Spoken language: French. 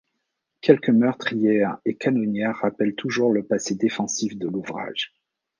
Quelques meurtrières et canonnières rappellent toujours le passé défensif de l'ouvrage.